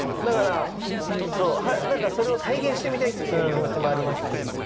だからそれを体現してみたいっていう気持ちもありますし。